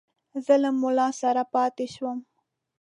زه له مُلا سره پاته شوم.